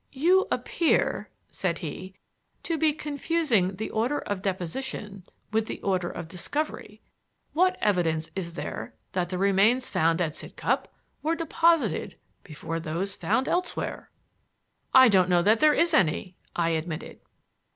"You appear," said he, "to be confusing the order of deposition with the order of discovery. What evidence is there that the remains found at Sidcup were deposited before those found elsewhere?" "I don't know that there is any," I admitted.